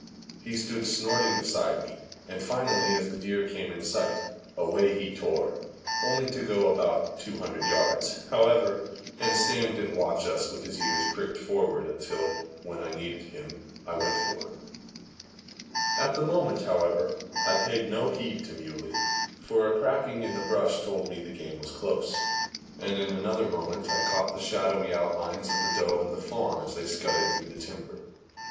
He stood snorting beside me, and finally, as the deer came in sight, away he tore only to go about 200 yards, however, and stand and watch us with his ears pricked forward until, when I needed him, I went for him. At the moment, however, I paid no heed to Muley, for a cracking in the brush told me the game was close, and in another moment I caught the shadowy outlines of the doe and the fawn as they scudded through the timber.